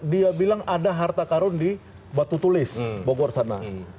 dia bilang ada harta karun di batu tulis bogor sana